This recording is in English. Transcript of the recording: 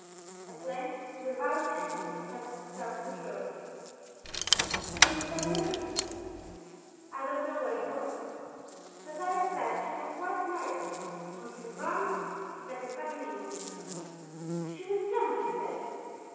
At length, with a violent effort at self control: "The name of that woman?" he said. "I don't know what it was. As I have said, she was twice married, once in France, the second time in England." "She was young, you say?"